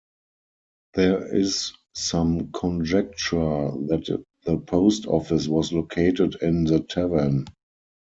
There is some conjecture that the post office was located in the tavern.